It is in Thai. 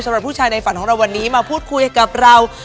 สำหรับผู้ชายในฝันของเราวันนี้มาพูดคุยกับเรา